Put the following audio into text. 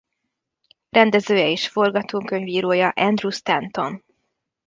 Rendezője és forgatókönyvírója Andrew Stanton.